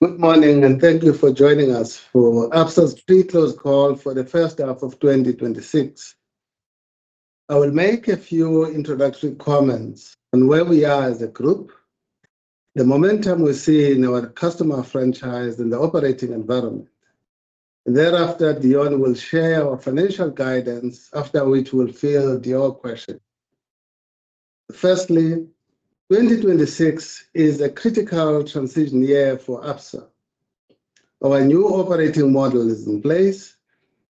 Good morning. Thank you for joining us for Absa's pre-close call for the first half of 2026. I will make a few introductory comments on where we are as a group, the momentum we see in our customer franchise, and the operating environment. Thereafter, Deon will share our financial guidance, after which we'll field your questions. Firstly, 2026 is a critical transition year for Absa. Our new operating model is in place,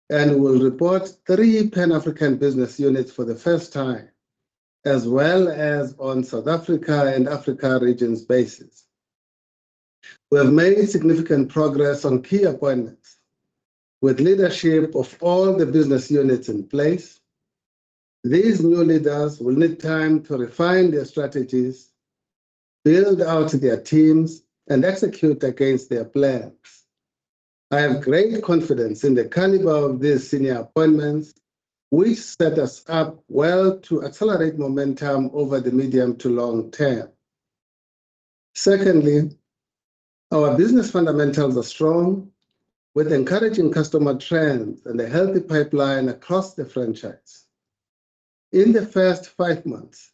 and we'll report three pan-African business units for the first time, as well as on South Africa and Africa Regions basis. We have made significant progress on key appointments. With leadership of all the business units in place, these new leaders will need time to refine their strategies, build out their teams, and execute against their plans. I have great confidence in the caliber of these senior appointments, which set us up well to accelerate momentum over the medium to long term. Secondly, our business fundamentals are strong with encouraging customer trends and a healthy pipeline across the franchise. In the first five months,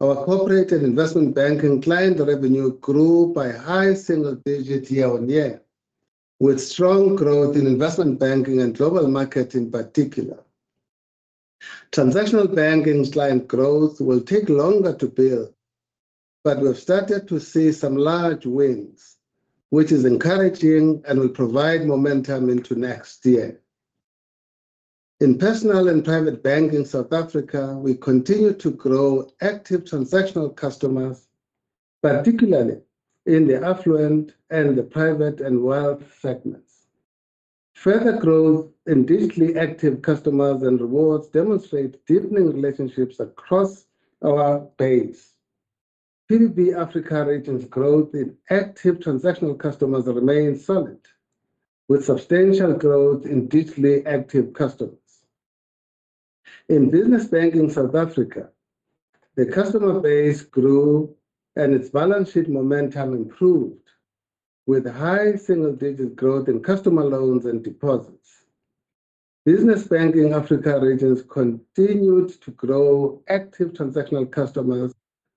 our Corporate and Investment Banking client revenue grew by high single digits year-on-year, with strong growth in investment banking and global markets in particular. Transactional banking client growth will take longer to build. We've started to see some large wins, which is encouraging and will provide momentum into next year. In Personal and Private Banking South Africa, we continue to grow active transactional customers, particularly in the affluent and the private and wealth segments. Further growth in digitally active customers and rewards demonstrate deepening relationships across our base. PPB Africa Regions growth in active transactional customers remains solid, with substantial growth in digitally active customers. In business banking South Africa, the customer base grew and its balance sheet momentum improved with high single-digit growth in customer loans and deposits. Business banking Africa Regions continued to grow active transactional customers,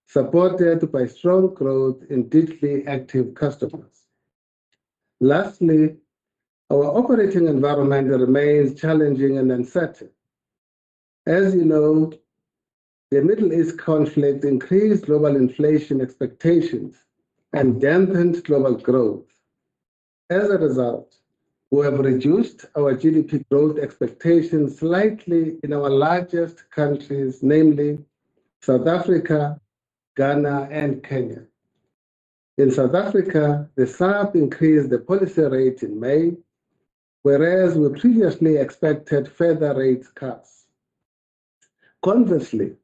supported by strong growth in digitally active customers. Lastly, our operating environment remains challenging and uncertain. As you know, the Middle East conflict increased global inflation expectations and dampened global growth. As a result, we have reduced our GDP growth expectations slightly in our largest countries, namely South Africa, Ghana and Kenya. In South Africa, the SARB increased the policy rate in May, whereas we previously expected further rate cuts. Conversely,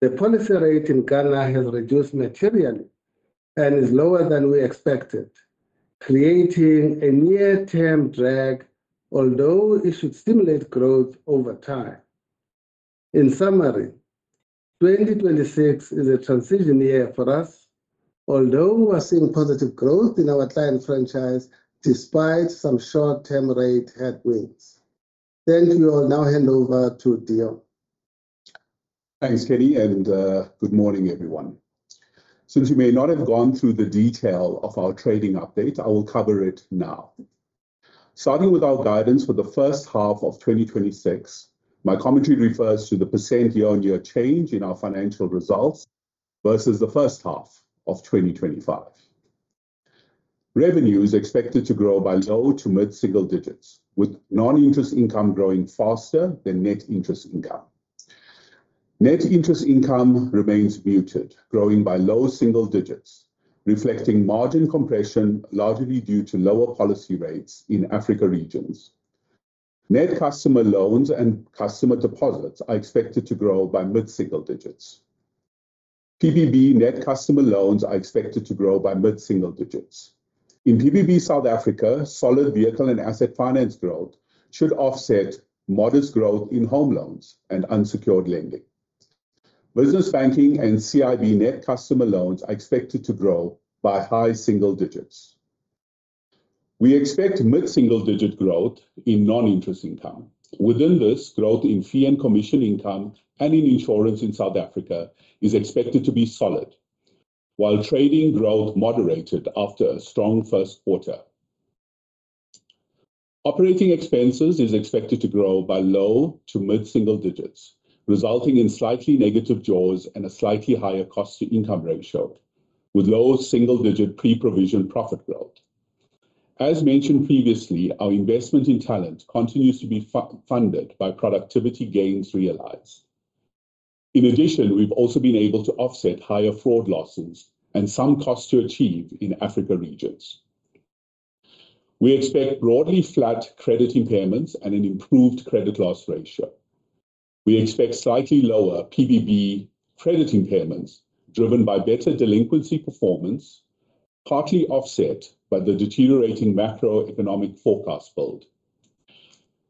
the policy rate in Ghana has reduced materially and is lower than we expected, creating a near-term drag, although it should stimulate growth over time. In summary, 2026 is a transition year for us, although we are seeing positive growth in our client franchise despite some short-term rate headwinds. Thank you. I'll now hand over to Deon. Thanks, Kenny. Good morning, everyone. Since we may not have gone through the detail of our trading update, I will cover it now. Starting with our guidance for the first half of 2026, my commentary refers to the percent year-on-year change in our financial results versus the first half of 2025. Revenue is expected to grow by low to mid-single digits, with non-interest income growing faster than net interest income. Net interest income remains muted, growing by low single digits, reflecting margin compression largely due to lower policy rates in Africa Regions. Net customer loans and customer deposits are expected to grow by mid-single digits. PPB net customer loans are expected to grow by mid-single digits. In PPB South Africa, solid vehicle and asset finance growth should offset modest growth in home loans and unsecured lending. Business banking and CIB net customer loans are expected to grow by high single digits. We expect mid-single-digit growth in non-interest income. Within this, growth in fee and commission income and in insurance in South Africa is expected to be solid, while trading growth moderated after a strong first quarter. Operating expenses is expected to grow by low to mid-single digits, resulting in slightly negative JAWS and a slightly higher cost-to-income ratio, with low single-digit pre-provision profit growth. As mentioned previously, our investment in talent continues to be funded by productivity gains realized. In addition, we've also been able to offset higher fraud losses and some costs to achieve in Africa Regions. We expect broadly flat credit impairments and an improved credit loss ratio. We expect slightly lower PPB credit impairments driven by better delinquency performance, partly offset by the deteriorating macroeconomic forecast build.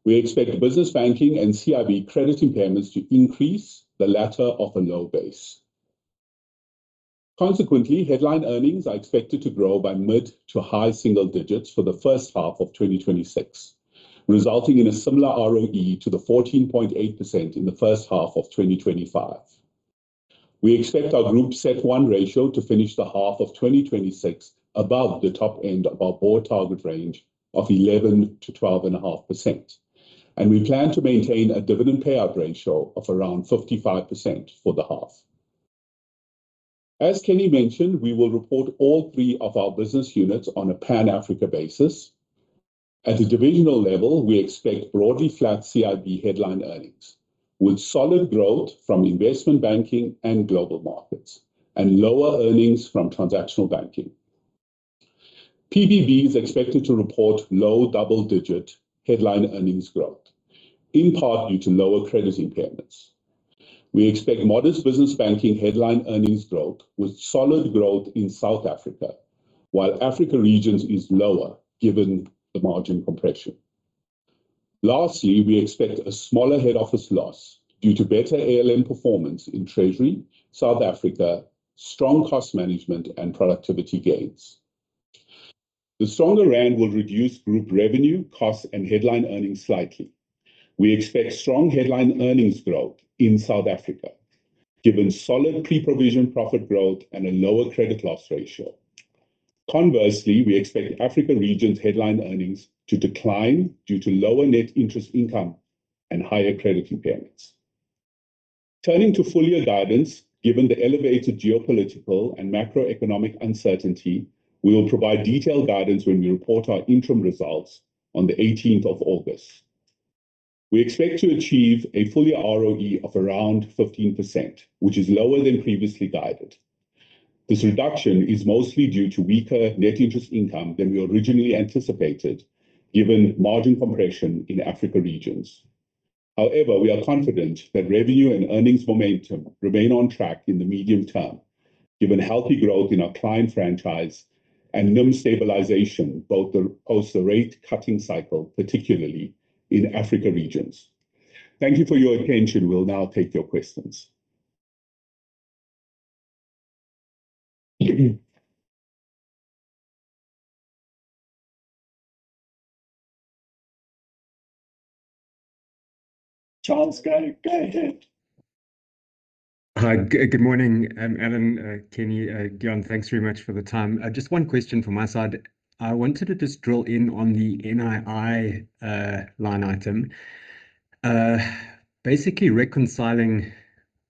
We expect business banking and CIB credit impairments to increase, the latter off a low base. Consequently, headline earnings are expected to grow by mid to high single digits for the first half of 2026, resulting in a similar ROE to the 14.8% in the first half of 2025. We expect our group CET1 ratio to finish the half of 2026 above the top end of our board target range of 11%-12.5%, and we plan to maintain a dividend payout ratio of around 55% for the half. As Kenny mentioned, we will report all three of our business units on a pan-Africa basis. At a divisional level, we expect broadly flat CIB headline earnings, with solid growth from Investment Banking and Global Markets, and lower earnings from Transactional Banking. PPB is expected to report low double-digit headline earnings growth, in part due to lower credit impairments. We expect modest business banking headline earnings growth with solid growth in South Africa, while Africa Regions is lower given the margin compression. Lastly, we expect a smaller head office loss due to better ALM performance in treasury, South Africa, strong cost management, and productivity gains. The stronger rand will reduce group revenue, costs, and headline earnings slightly. We expect strong headline earnings growth in South Africa, given solid pre-provision profit growth and a lower credit loss ratio. Conversely, we expect Africa Regions headline earnings to decline due to lower net interest income and higher credit impairments. Turning to full year guidance, given the elevated geopolitical and macroeconomic uncertainty, we will provide detailed guidance when we report our interim results on the 18th of August. We expect to achieve a full-year ROE of around 15%, which is lower than previously guided. This reduction is mostly due to weaker net interest income than we originally anticipated given margin compression in Africa regions. However, we are confident that revenue and earnings momentum remain on track in the medium term, given healthy growth in our client franchise and NIM stabilization post the rate cutting cycle, particularly in Africa regions. Thank you for your attention. We'll now take your questions. Charles, go ahead. Hi. Good morning. Alan, Kenny, Deon, thanks very much for the time. Just one question from my side. I wanted to just drill in on the NII line item. Basically reconciling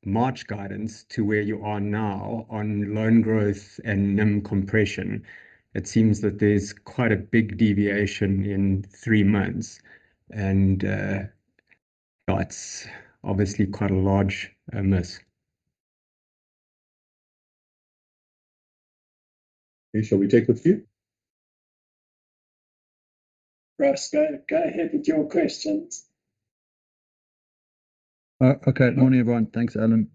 March guidance to where you are now on loan growth and NIM compression. It seems that there's quite a big deviation in three months, and that's obviously quite a large miss. Okay. Shall we take a few? Ross, go ahead with your questions. Okay. Morning, everyone. Thanks, Alan.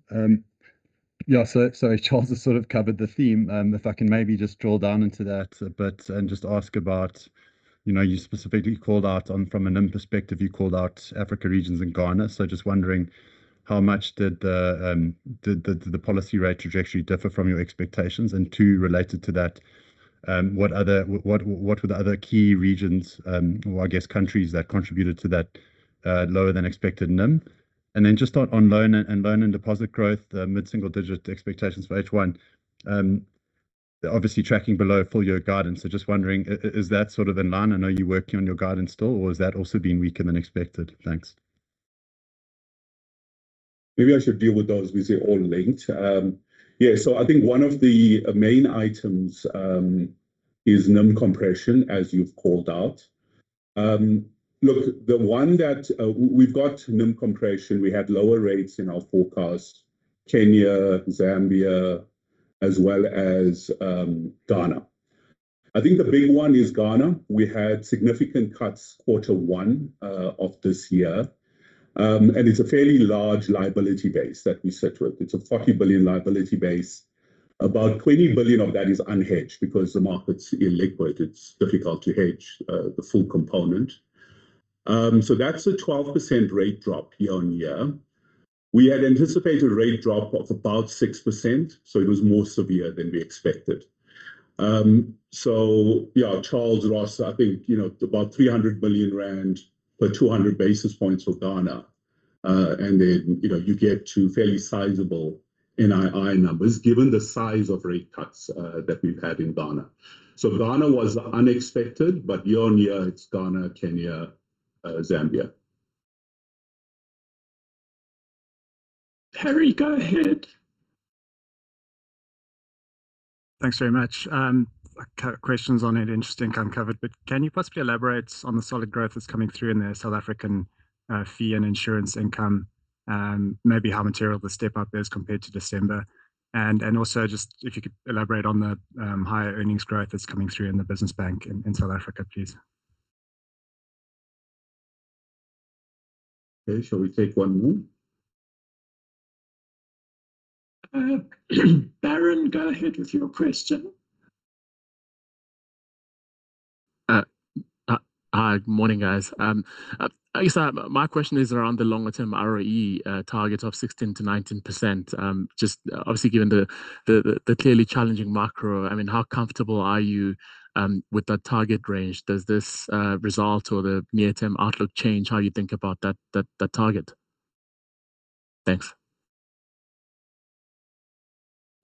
Sorry, Charles has sort of covered the theme. If I can maybe just drill down into that a bit and just ask about, you specifically called out on from an NIM perspective, you called out Africa regions and Ghana. Just wondering, how much did the policy rate trajectory differ from your expectations? Two, related to that, what were the other key regions, or I guess countries that contributed to that lower than expected NIM? Just on loan and deposit growth, the mid-single-digit expectations for H1. Obviously tracking below full year guidance. Just wondering, is that sort of in line and are you working on your guidance still, or has that also been weaker than expected? Thanks. Maybe I should deal with those because they're all linked. I think one of the main items is NIM compression, as you've called out. Look, we've got NIM compression. We had lower rates in our forecast. Kenya, Zambia as well as Ghana. I think the big one is Ghana. We had significant cuts Q1 of this year. It's a fairly large liability base that we sit with. It's a 40 billion liability base. About 20 billion of that is unhedged because the market's illiquid. It's difficult to hedge the full component. That's a 12% rate drop year-on-year. We had anticipated a rate drop of about 6%, so it was more severe than we expected. Charles, Ross, I think about 300 billion rand per 200 basis points for Ghana. You get to fairly sizable NII numbers given the size of rate cuts that we've had in Ghana. Ghana was unexpected, but year-on-year, it's Ghana, Kenya, Zambia. Harry, go ahead. Thanks very much. A couple of questions on it. Interesting, I think, uncovered. Can you possibly elaborate on the solid growth that's coming through in the South African fee and insurance income, maybe how material the step-up is compared to December? Also just if you could elaborate on the higher earnings growth that's coming through in the business bank in South Africa, please. Okay. Shall we take one more? Baron, go ahead with your question. Hi. Morning, guys. My question is around the longer-term ROE target of 16%-19%. Obviously given the clearly challenging macro, how comfortable are you with that target range? Does this result or the near-term outlook change how you think about that target? Thanks.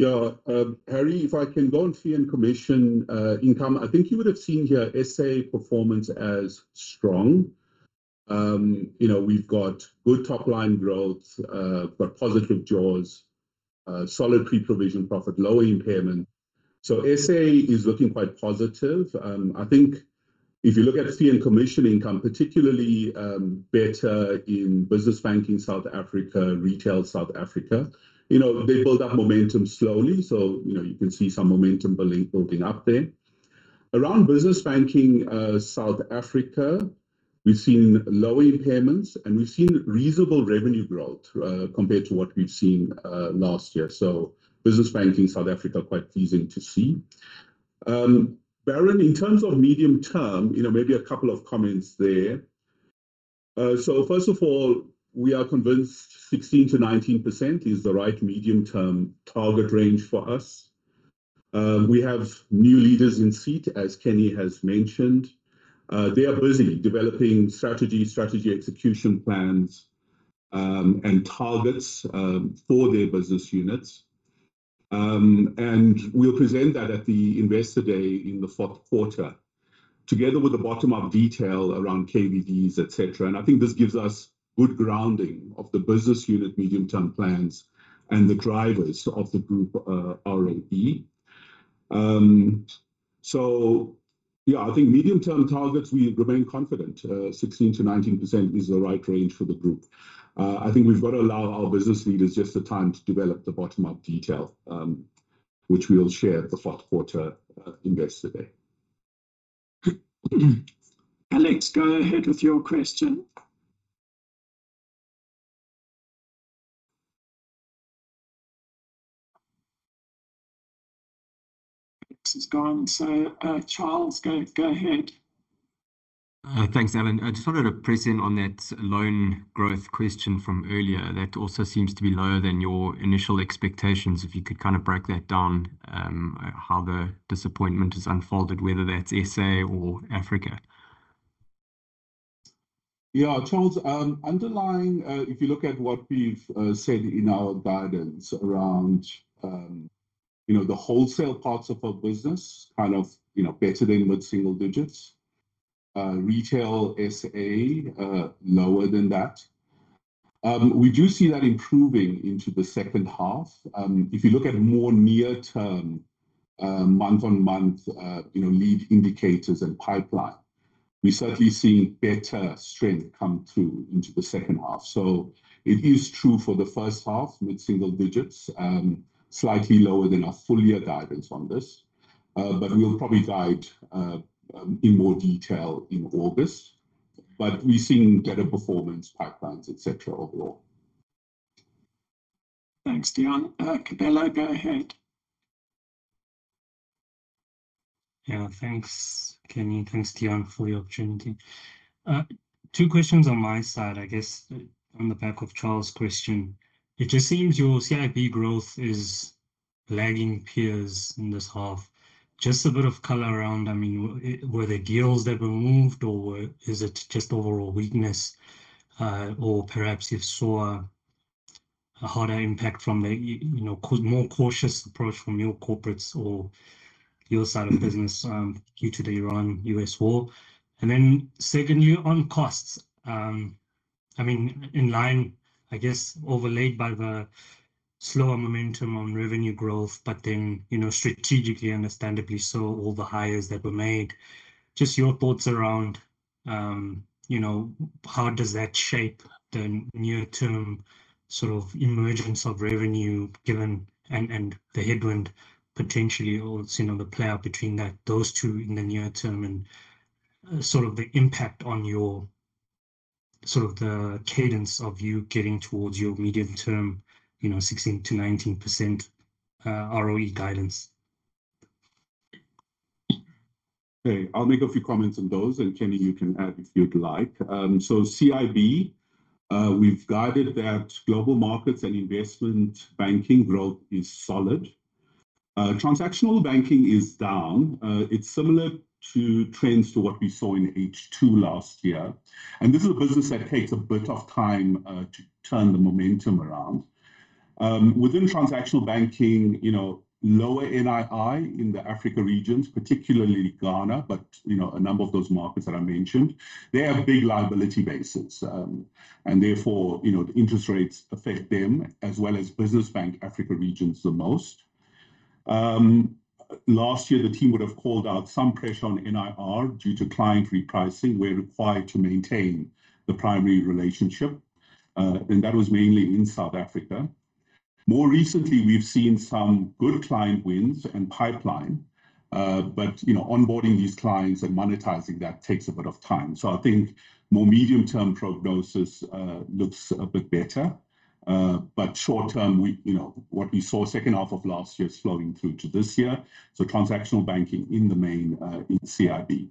Harry, if I can go on fee and commission income, I think you would've seen here SA performance as strong. We've got good top-line growth, got positive JAWS, solid pre-provision profit, low impairment. SA is looking quite positive. I think if you look at fee and commission income, particularly better in business banking South Africa, retail South Africa. They build up momentum slowly, you can see some momentum building up there. Around business banking South Africa, we've seen low impairments, we've seen reasonable revenue growth compared to what we've seen last year. Business banking South Africa, quite pleasing to see. Baron, in terms of medium term, maybe a couple of comments there. First of all, we are convinced 16%-19% is the right medium-term target range for us. We have new leaders in seat, as Kenny has mentioned. They are busy developing strategy execution plans, and targets for their business units. We'll present that at the Investor Day in the fourth quarter, together with the bottom-up detail around KVDs, et cetera. I think this gives us good grounding of the business unit medium-term plans and the drivers of the group ROE. I think medium-term targets, we remain confident 16%-19% is the right range for the group. I think we've got to allow our business leaders just the time to develop the bottom-up detail, which we'll share at the fourth quarter Investor Day. Alex, go ahead with your question. Alex is gone. Charles, go ahead. Thanks, Alan. I just wanted to press in on that loan growth question from earlier. That also seems to be lower than your initial expectations. If you could break that down, how the disappointment has unfolded, whether that's SA or Africa. Yeah, Charles. Underlying, if you look at what we've said in our guidance around the wholesale parts of our business, better than mid-single digits. Retail SA, lower than that. We do see that improving into the second half. If you look at more near term, month-on-month lead indicators and pipeline, we're certainly seeing better strength come through into the second half. It is true for the first half, mid-single digits, slightly lower than our full year guidance on this. We'll probably guide in more detail in August. We're seeing better performance pipelines, et cetera, overall. Thanks, Deon. Kabelo, go ahead. Yeah. Thanks, Kenny. Thanks, Deon, for the opportunity. Two questions on my side, I guess, on the back of Charles' question. It just seems your CIB growth is lagging peers in this half. Just a bit of color around, were there deals that were moved, or is it just overall weakness? Perhaps you've saw a harder impact from a more cautious approach from your corporates or your side of business due to the Iran-U.S. war. Secondly, on costs. In line, I guess, overlaid by the slower momentum on revenue growth strategically understandably saw all the hires that were made. Just your thoughts around how does that shape the near-term emergence of revenue given and the headwind potentially, or the play out between those two in the near term, and the impact on the cadence of you getting towards your medium term 16%-19% ROE guidance. I'll make a few comments on those. Kenny, you can add if you'd like. CIB, we've guided that global markets and investment banking growth is solid. transactional banking is down. It's similar to trends to what we saw in H2 last year. This is a business that takes a bit of time to turn the momentum around. Within transactional banking, lower NII in the Africa regions, particularly Ghana, but a number of those markets that I mentioned. They have big liability bases. Therefore, the interest rates affect them as well as business banking Africa regions the most. Last year, the team would've called out some pressure on NIR due to client repricing. We're required to maintain the primary relationship. That was mainly in South Africa. More recently, we've seen some good client wins and pipeline. Onboarding these clients and monetizing that takes a bit of time. I think more medium-term prognosis looks a bit better. Short term, what we saw second half of last year flowing through to this year. transactional banking in the main in CIB.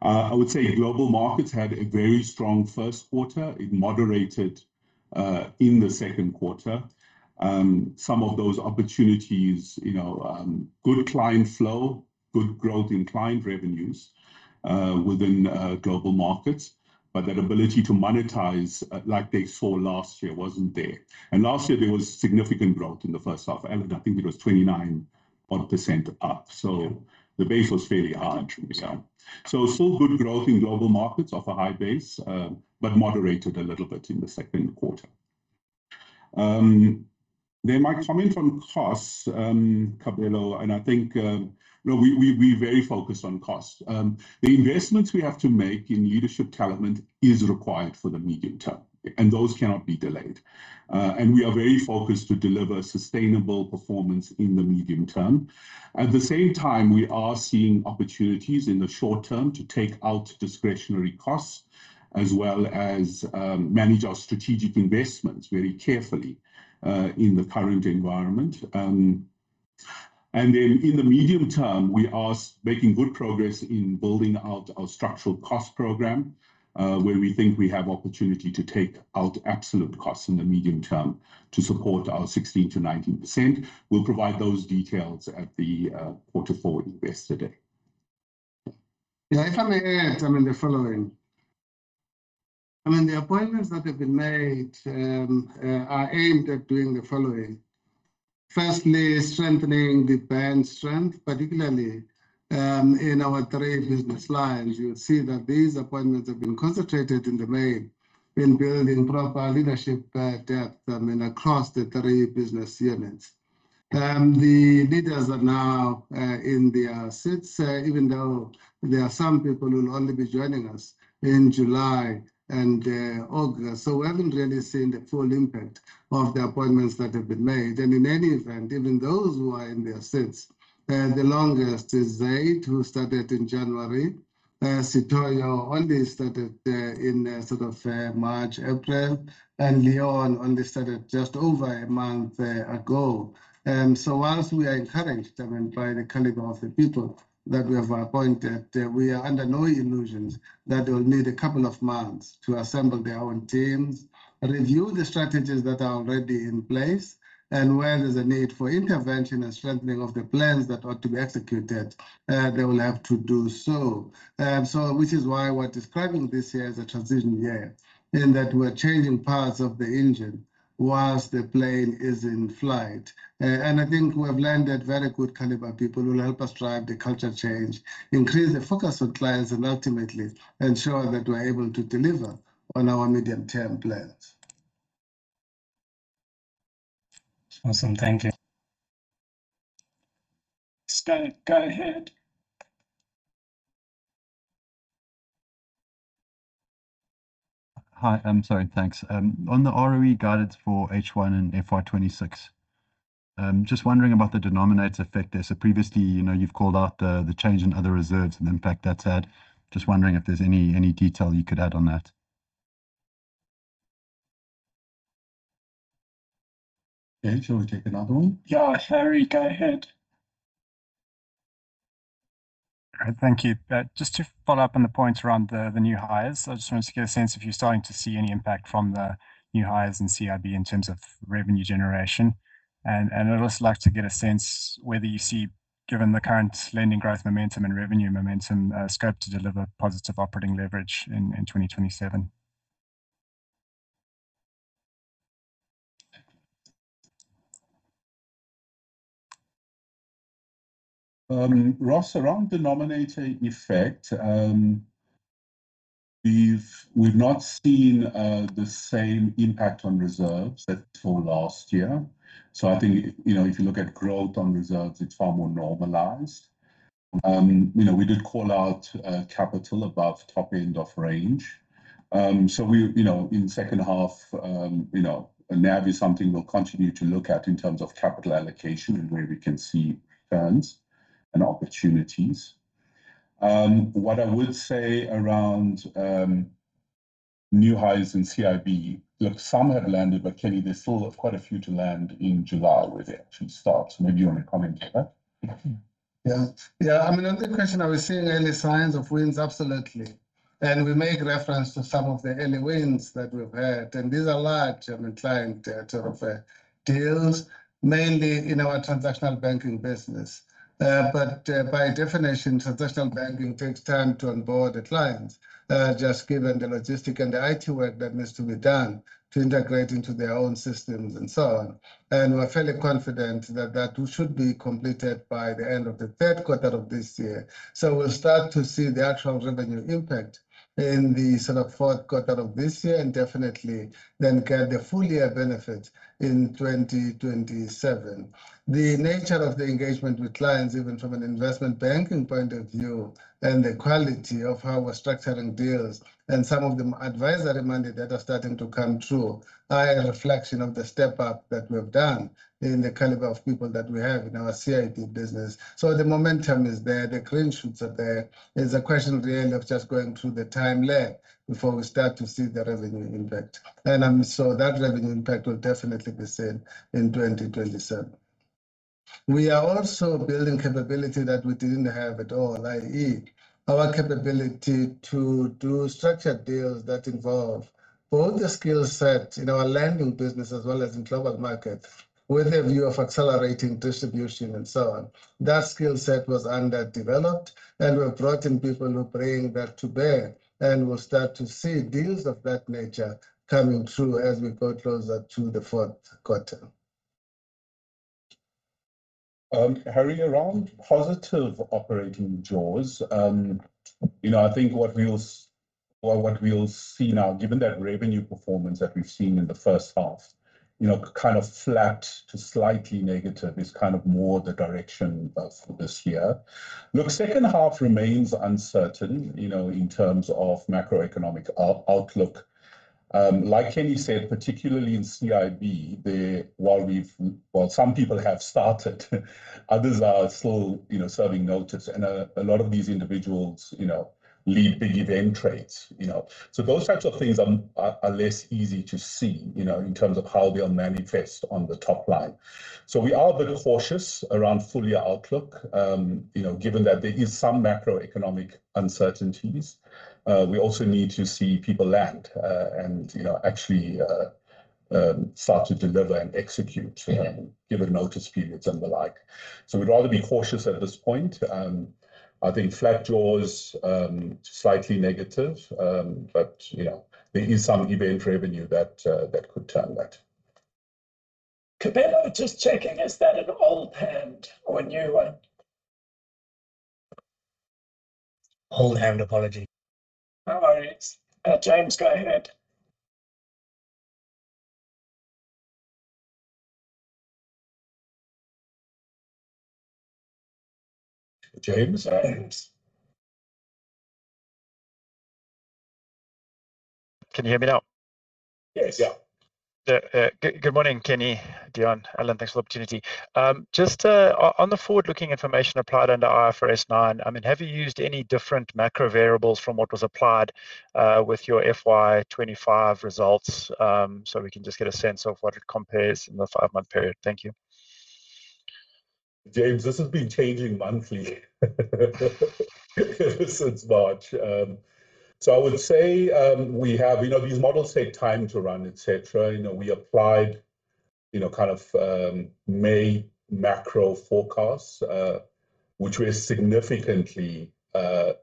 I would say global markets had a very strong first quarter. It moderated in the second quarter. Some of those opportunities, good client flow, good growth in client revenues within global markets. That ability to monetize like they saw last year wasn't there. Last year there was significant growth in the first half. I think it was 29 odd percent up. Yeah. The base was fairly high. True, yeah. Still good growth in global markets off a high base, but moderated a little bit in the second quarter. My comment on costs, Kabelo, I think we very focused on costs. The investments we have to make in leadership talent is required for the medium term, those cannot be delayed. We are very focused to deliver sustainable performance in the medium term. At the same time, we are seeing opportunities in the short term to take out discretionary costs as well as manage our strategic investments very carefully, in the current environment. In the medium term, we are making good progress in building out our structural cost program, where we think we have opportunity to take out absolute costs in the medium term to support our 16%-19%. We'll provide those details at the quarter four Investor Day. Yeah, if I may add, the following. The appointments that have been made are aimed at doing the following. Firstly, strengthening the bank's strength, particularly in our three business lines. You'll see that these appointments have been concentrated in the main in building proper leadership depth across the three business units. The leaders are now in their seats, even though there are some people who will only be joining us in July and August. We haven't really seen the full impact of the appointments that have been made. In any event, even those who are in their seats, the longest is Zaid, who started in January. Sithole only started in March, April, and Deon only started just over a month ago. Whilst we are encouraged by the caliber of the people that we have appointed, we are under no illusions that they'll need a couple of months to assemble their own teams, review the strategies that are already in place, and where there's a need for intervention and strengthening of the plans that are to be executed, they will have to do so. Which is why we're describing this year as a transition year, in that we're changing parts of the engine whilst the plane is in flight. I think we have landed very good caliber people who will help us drive the culture change, increase the focus on clients, and ultimately ensure that we're able to deliver on our medium term plans. Awesome. Thank you. Starke, go ahead. Hi. I'm sorry. Thanks. On the ROE guidance for H1 and FY 2026, just wondering about the denominator effect there. Previously, you've called out the change in other reserves and the impact that's had. Just wondering if there's any detail you could add on that. Alan, do you want to take another one? Yeah, Harry, go ahead. Great. Thank you. Just to follow up on the points around the new hires, I just wanted to get a sense if you're starting to see any impact from the new hires in CIB in terms of revenue generation. I'd also like to get a sense whether you see, given the current lending growth momentum and revenue momentum, scope to deliver positive operating leverage in 2027. Ross, around denominator effect, we've not seen the same impact on reserves that saw last year. I think, if you look at growth on reserves, it's far more normalized. We did call out capital above top end of range. In second half, NAV is something we'll continue to look at in terms of capital allocation and where we can see returns and opportunities. What I will say around new hires in CIB, look, some have landed, Kenny, there's still quite a few to land in July where the action starts. Maybe you want to comment to that. Yeah. On the question, are we seeing early signs of wins? Absolutely. We make reference to some of the early wins that we've had, and these are large client deals, mainly in our transactional banking business. By definition, transactional banking takes time to onboard the clients, just given the logistic and the IT work that needs to be done to integrate into their own systems and so on. We're fairly confident that that should be completed by the end of the third quarter of this year. We'll start to see the actual revenue impact in the fourth quarter of this year and definitely then get the full year benefit in 2027. The nature of the engagement with clients, even from an investment banking point of view, and the quality of how we're structuring deals and some of the advisory mandates that are starting to come through I am a reflection of the step up that we have done in the caliber of people that we have in our CIB business. The momentum is there, the credentials are there. It's a question of really just going through the timeline before we start to see the revenue impact. That revenue impact will definitely be seen in 2027. We are also building capability that we didn't have at all, i.e., our capability to do structured deals that involve both the skill set in our lending business as well as in global markets with a view of accelerating distribution and so on. That skill set was underdeveloped, and we're bringing people who bring that to bear, and we'll start to see deals of that nature coming through as we go closer to the fourth quarter. Harry, around positive operating JAWS. I think what we'll see now, given that revenue performance that we've seen in the first half, kind of flat to slightly negative is more the direction for this year. Look, second half remains uncertain in terms of macroeconomic outlook. Like Kenny said, particularly in CIB, while some people have started, others are still serving notice. A lot of these individuals lead big event trades. Those types of things are less easy to see, in terms of how they'll manifest on the top line. We are a bit cautious around full-year outlook given that there is some macroeconomic uncertainties. We also need to see people land and actually start to deliver and execute given notice periods and the like. We'd rather be cautious at this point. I think flat JAWS, slightly negative. There is some event revenue that could turn that. Kabelo, just checking, is that an old hand or a new one? Old hand. Apology. No worries. James, go ahead. James. Can you hear me now? Yes. Yeah. Good morning, Kenny, Deon, Alan. Thanks for the opportunity. Just on the forward-looking information applied under IFRS 9, have you used any different macro variables from what was applied with your FY 2025 results, so we can just get a sense of what it compares in the five-month period? Thank you. James, this has been changing monthly since March. I would say these models take time to run, et cetera. We applied May macro forecasts, which were significantly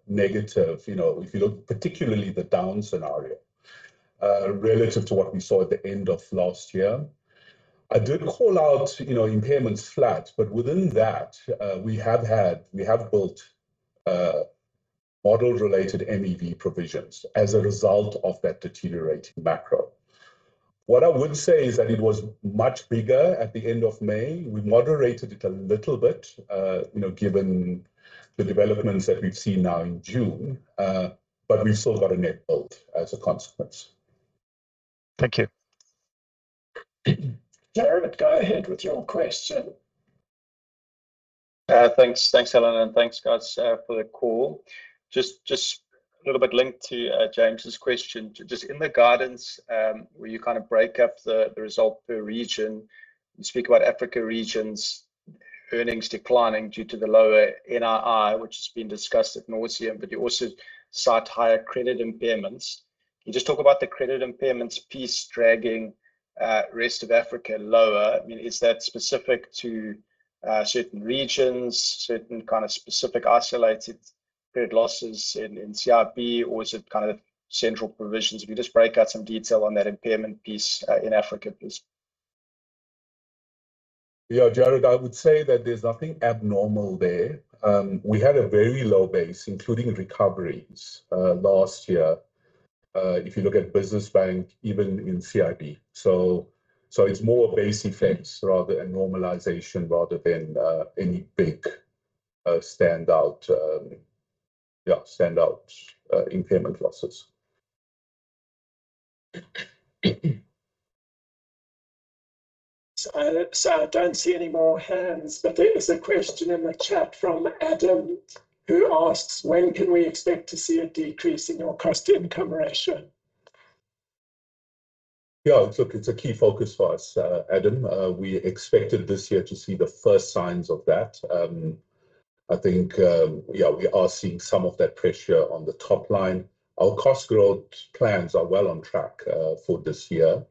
negative. If you look particularly the down scenario, relative to what we saw at the end of last year. I did call out impairments flat. Within that, we have built model-related MEV provisions as a result of that deteriorating macro. What I would say is that it was much bigger at the end of May. We moderated it a little bit given the developments that we've seen now in June. We've still got a net build as a consequence. Thank you. Jared, go ahead with your question. Thanks, Alan, thanks guys for the call. In the guidance where you break up the result per region and speak about Africa regions earnings declining due to the lower NII, which has been discussed ad nauseam, but you also cite higher credit impairments. Can you just talk about the credit impairments piece dragging rest of Africa lower? Is that specific to certain regions, certain specific isolated credit losses in CIB or is it central provisions? If you just break out some detail on that impairment piece in Africa, please. Jared, I would say that there's nothing abnormal there. We had a very low base, including recoveries last year. If you look at business bank, even in CIB. It's more a base effect rather than normalization, rather than any big standout impairment losses. I don't see any more hands, but there is a question in the chat from Adam who asks, when can we expect to see a decrease in your cost-to-income ratio? It's a key focus for us, Adam. We expected this year to see the first signs of that. I think we are seeing some of that pressure on the top line. Our cost growth plans are well on track for this year.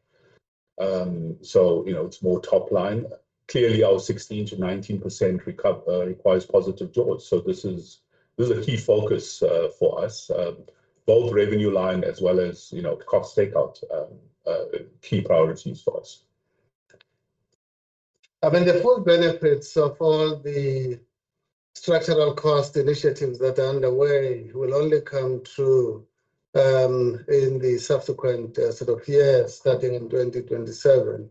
It's more top line. Clearly, our 16%-19% requires positive JAWS. This is a key focus for us. Both revenue line as well as cost takeout are key priorities for us. The full benefits of all the structural cost initiatives that are underway will only come through in the subsequent set of years starting in 2027.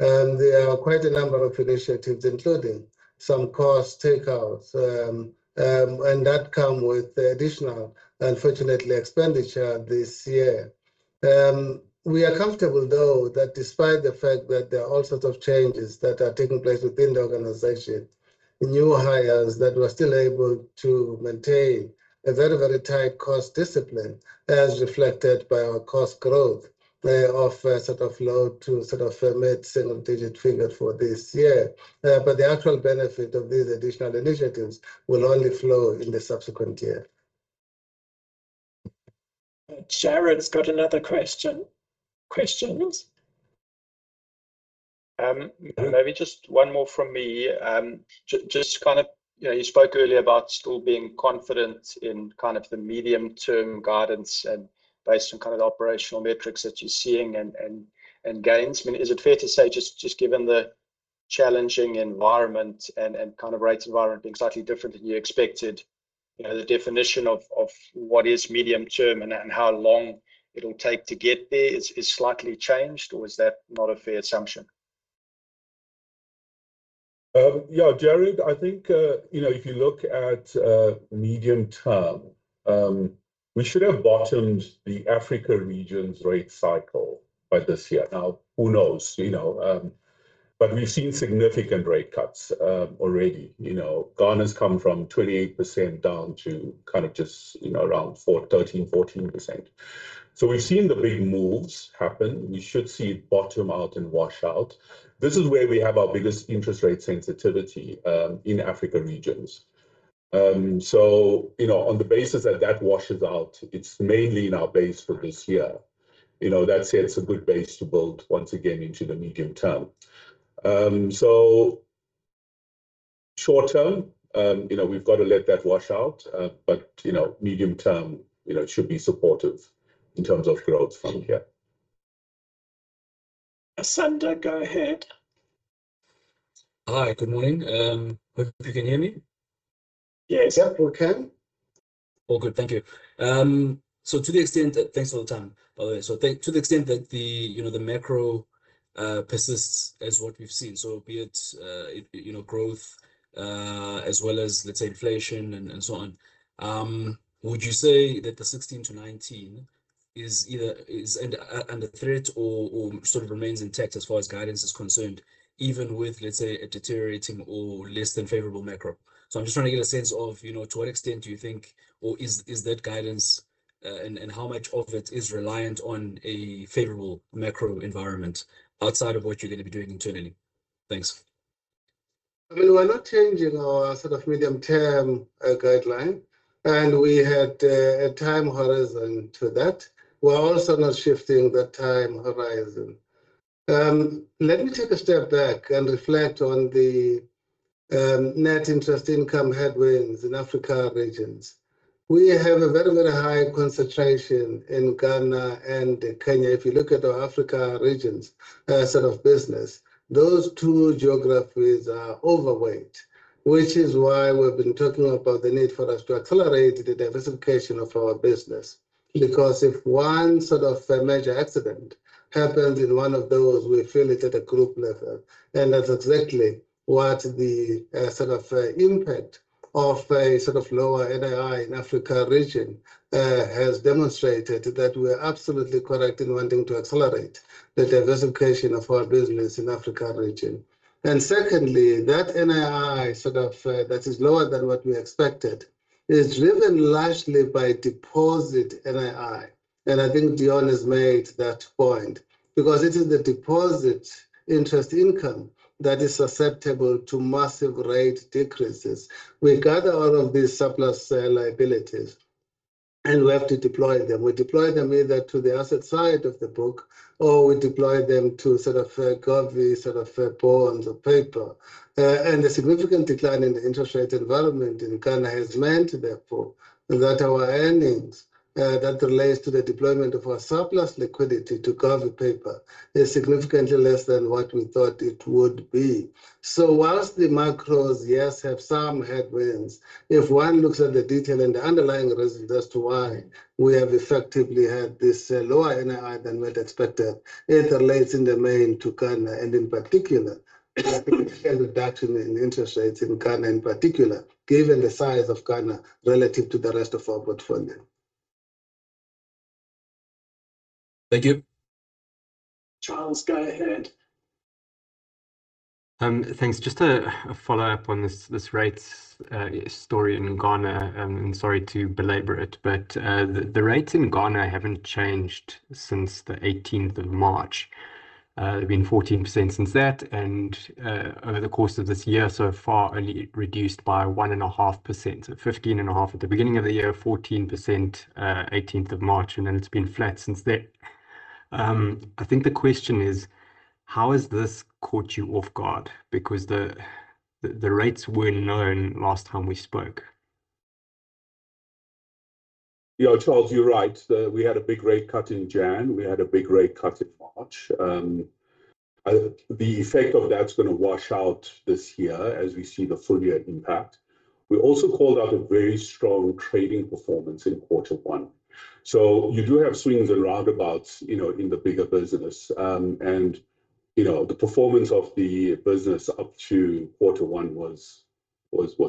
There are quite a number of initiatives, including some cost take-outs, and that come with additional, unfortunately, expenditure this year. We are comfortable, though, that despite the fact that there are all sorts of changes that are taking place within the organization, new hires, that we're still able to maintain a very tight cost discipline as reflected by our cost growth. They offer sort of low to mid-single digit figures for this year. The actual benefit of these additional initiatives will only flow in the subsequent year. Jared's got another question. Questions? Maybe just one more from me. You spoke earlier about still being confident in the medium-term guidance and based on the operational metrics that you're seeing and gains. Is it fair to say, just given the challenging environment and rate environment being slightly different than you expected, the definition of what is medium-term and how long it'll take to get there is slightly changed, or is that not a fair assumption? Jared, I think, if you look at medium-term, we should have bottomed the Africa regions rate cycle by this year. Now, who knows? We've seen significant rate cuts already. Ghana's come from 28% down to just around 13%, 14%. We've seen the big moves happen. We should see it bottom out and wash out. This is where we have our biggest interest rate sensitivity, in Africa regions. On the basis that that washes out, it's mainly in our base for this year. That said, it's a good base to build once again into the medium-term. Short-term, we've got to let that wash out. Medium-term, it should be supportive in terms of growth from here. Asanda, go ahead. Hi. Good morning. Hope you can hear me. Yes. Yeah, we can. All good. Thank you. Thanks for the time, by the way. To the extent that the macro persists as what we've seen, so be it growth, as well as, let's say, inflation and so on, would you say that the 16%-19% is under threat or sort of remains intact as far as guidance is concerned, even with, let's say, a deteriorating or less than favorable macro? I'm just trying to get a sense of to what extent do you think, or is that guidance, and how much of it is reliant on a favorable macro environment outside of what you're going to be doing internally? Thanks. We're not changing our medium-term guideline. We had a time horizon to that. We're also not shifting that time horizon. Let me take a step back and reflect on the net interest income headwinds in Africa Regions. We have a very high concentration in Ghana and Kenya. If you look at our Africa Regions business, those two geographies are overweight, which is why we've been talking about the need for us to accelerate the diversification of our business. If one major accident happens in one of those, we feel it at a group level, and that's exactly what the impact of a lower NII in Africa Region has demonstrated, that we're absolutely correct in wanting to accelerate the diversification of our business in Africa Region. Secondly, that NII that is lower than what we expected is driven largely by deposit NII. I think Deon has made that point. It is the deposit interest income that is susceptible to massive rate decreases. We gather all of these surplus liabilities, and we have to deploy them. We deploy them either to the asset side of the book, or we deploy them to govies, bonds or paper. The significant decline in the interest rate environment in Ghana has meant, therefore, that our earnings that relates to the deployment of our surplus liquidity to government paper is significantly less than what we thought it would be. Whilst the macros, yes, have some headwinds, if one looks at the detail and the underlying reasons as to why we have effectively had this lower NII than we had expected, it relates in the main to Ghana, and in particular, the significant reduction in interest rates in Ghana in particular, given the size of Ghana relative to the rest of our portfolio. Thank you. Charles, go ahead. Thanks. Just a follow-up on this rates story in Ghana, and sorry to belabor it, but the rates in Ghana haven't changed since the 18th of March. They've been 14% since that, and over the course of this year, so far, only reduced by 1.5%. So 15.5% at the beginning of the year, 14% 18th of March, and then it's been flat since then. I think the question is: how has this caught you off guard? Because the rates were known last time we spoke. Charles, you're right. We had a big rate cut in January. We had a big rate cut in March. The effect of that's going to wash out this year as we see the full year impact. We also called out a very strong trading performance in quarter one. You do have swings and roundabouts in the bigger business. The performance of the business up to quarter one was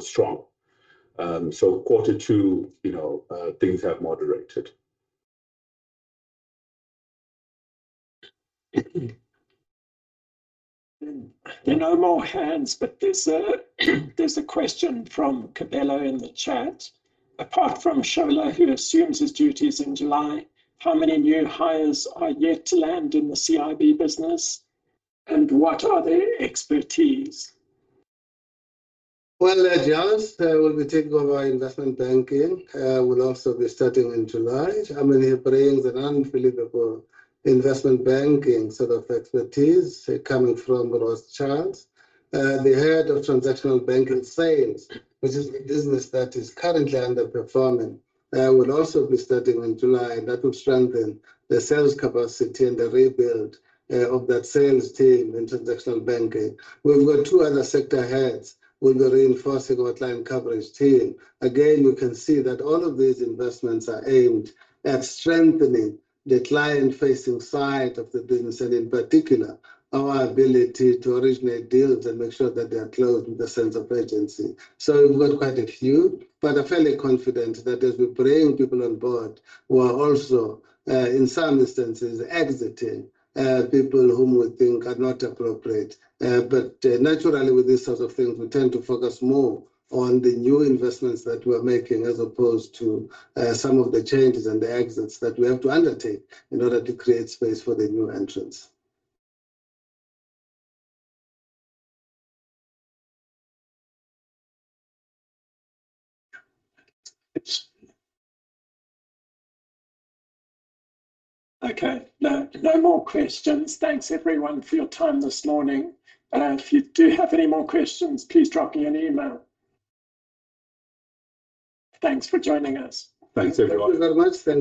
strong. Quarter two, things have moderated. There are no more hands, but there's a question from Kabelo in the chat. Apart from Shola, who assumes his duties in July, how many new hires are yet to land in the CIB business, and what are their expertise? Giles will be taking over investment banking, will also be starting in July. I mean, he brings an unbelievable investment banking set of expertise coming from Rothschild. The head of transactional banking sales, which is the business that is currently underperforming, will also be starting in July. That will strengthen the sales capacity and the rebuild of that sales team in transactional banking. We've got two other sector heads who will be reinforcing our client coverage team. Again, you can see that all of these investments are aimed at strengthening the client-facing side of the business, and in particular, our ability to originate deals and make sure that they are closed with a sense of urgency. We've got quite a few, but I'm fairly confident that as we bring people on board, we are also, in some instances, exiting people whom we think are not appropriate. Naturally, with these sorts of things, we tend to focus more on the new investments that we're making as opposed to some of the changes and the exits that we have to undertake in order to create space for the new entrants. No more questions. Thanks everyone for your time this morning. If you do have any more questions, please drop me an email. Thanks for joining us. Thanks, everyone. Thank you very much.